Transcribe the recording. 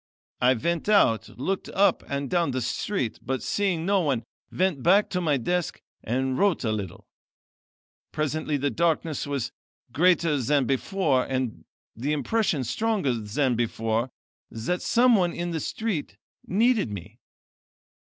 I went out, looked up and down the street, but seeing no one, went back to my desk and wrote a little. Presently the darkness was greater than before, and the impression stronger than before, that someone in the street needed me.